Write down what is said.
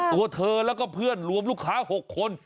ตัวเธอแล้วก็เพื่อนรวมลูกค้า๖คน